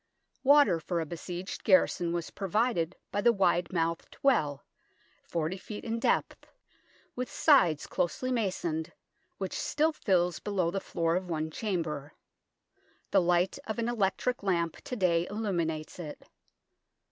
Water for a besieged garrison was provided by the wide mouthed well, 40 ft. in depth, with sides closely masoned, which still fills below the floor of one chamber. The light of an electric lamp to day illuminates it.